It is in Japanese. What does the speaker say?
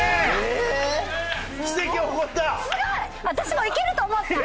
私もいけると思った。